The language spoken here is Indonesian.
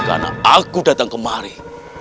karena aku datang kemaham